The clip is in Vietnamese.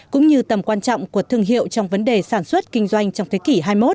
cũng như tầm quan trọng của thương hiệu trong vấn đề sản xuất kinh doanh trong thế kỷ hai mươi một